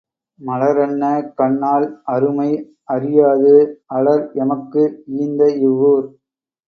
மலரன்ன கண்ணாள் அருமை அறியாது அலர் எமக்கு ஈந்த இவ்வூர்.